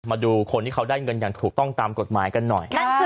มาดูคนที่เขาได้เงินอย่างถูกต้องตามกฎหมายกันหน่อย